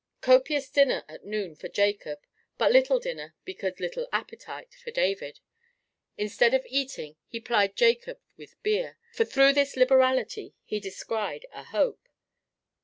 Copious dinner at noon for Jacob; but little dinner, because little appetite, for David. Instead of eating, he plied Jacob with beer; for through this liberality he descried a hope.